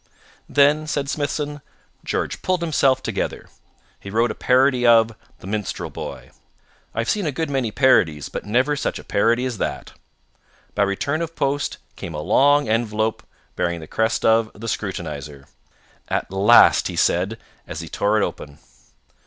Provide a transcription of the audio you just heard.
"Then," said Smithson, "George pulled himself together. He wrote a parody of 'The Minstrel Boy.' I have seen a good many parodies, but never such a parody as that. By return of post came a long envelope bearing the crest of the Scrutinizer. 'At last,' he said, as he tore it open.